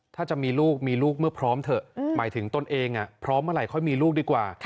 ถ้าจะมีลูกมีลูกเมื่อพร้อมเถอะหมายถึงตนเองพร้อมเมื่อไหร่ค่อยมีลูกดีกว่า